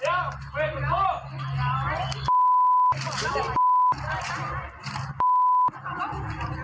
เฮ้ยปล่อย